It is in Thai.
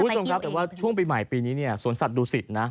บุญสมครับแต่ว่าช่วงปีใหม่ปีนี้สวนสัตว์ดูสิตนะ